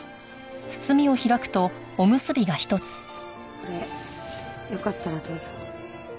これよかったらどうぞ。